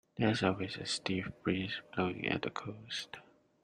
There's always a stiff breeze blowing at the coast.